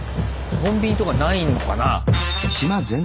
コンビニとかないのかな？